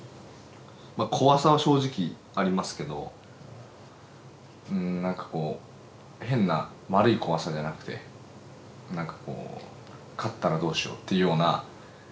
まあ怖さは正直ありますけどうん何かこう変な悪い怖さじゃなくて何かこう勝ったらどうしようっていうような感情。